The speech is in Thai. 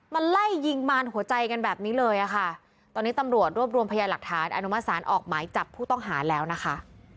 ไล่ยิงมารหัวใจกันแบบนี้เลยอะค่ะตอนนี้ตำรวจรวบรวมพยานหลักฐานอนุมัติศาลออกหมายจับผู้ต้องหาแล้วนะคะ